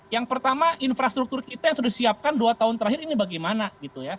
yang pertama infrastruktur kita yang sudah disiapkan dua tahun terakhir ini bagaimana gitu ya